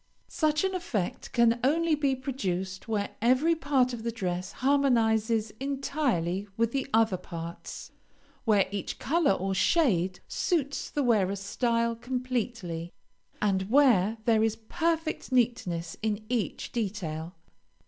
Such an effect can only be produced where every part of the dress harmonizes entirely with the other parts, where each color or shade suits the wearer's style completely, and where there is perfect neatness in each detail.